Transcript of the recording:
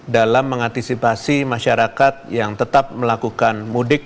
dalam mengantisipasi masyarakat yang tetap melakukan mudik